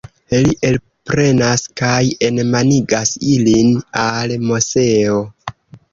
Li elprenas kaj enmanigas ilin al Moseo.